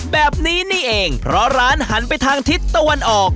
แบบนี้นี่เองเพราะร้านหันไปทางทิศตะวันออก